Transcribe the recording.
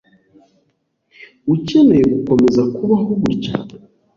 Ukeneye gukomeza kubaho gutya?